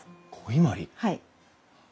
はい。